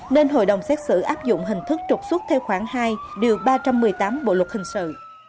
nên hội đồng xét xử áp dụng hình thức trục xuất theo khoảng hai điều ba trăm một mươi tám bộ luật hình sự